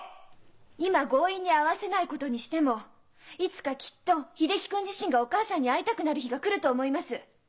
今強引に会わせないことにしてもいつかきっと秀樹君自身がお母さんに会いたくなる日が来ると思います。